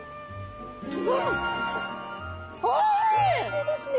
おいしいですね！